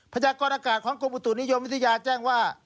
พระกรุณกลนะกาศของกลุ่มอุตถุนิยมวิทยาแจ้งว่า